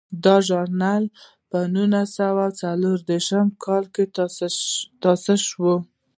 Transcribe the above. دا ژورنال په نولس سوه څلور دیرش کې تاسیس شو.